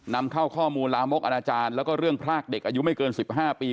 นำเข้าข้อมูลลามกอนาจารย์แล้วก็เรื่องพรากเด็กอายุไม่เกิน๑๕ปี